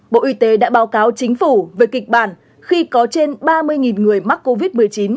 bộ y tế đã báo cáo chính phủ về kịch bản khi có trên ba mươi người mắc covid một mươi chín